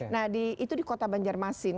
nah itu di kota banjarmasin